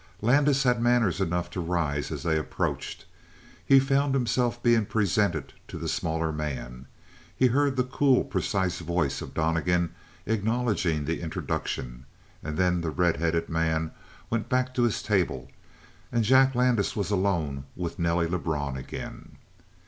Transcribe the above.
Landis had manners enough to rise as they approached. He found himself being presented to the smaller man. He heard the cool, precise voice of Donnegan acknowledging the introduction; and then the red headed man went back to his table; and Jack Landis was alone with Nelly Lebrun again.